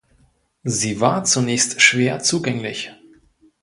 Sie war zunächst schwer zugänglich.